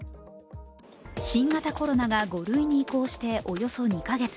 新型コロナが５類に移行しておよそ２か月。